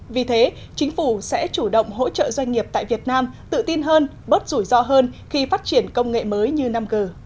vì thế chính phủ sẽ chủ động hỗ trợ doanh nghiệp tại việt nam tự tin hơn bớt rủi ro hơn khi phát triển công nghệ mới như năm g